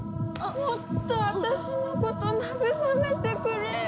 もっと私のこと慰めてくれよ！